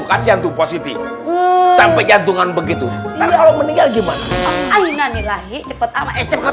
kasihan tuh positive sampai jantungan begitu kalau meninggal gimana ini lagi cepet cepet